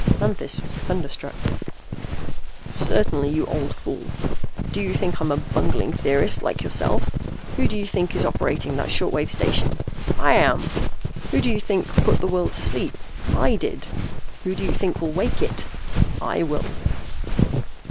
Manthis was thunderstruck. "Certainly, you old fool. Do you think I'm a bungling theorist like yourself? Who do you think is operating that short wave station? I am. Who do you think put the world to sleep? I did. Who do you think will wake it? I will."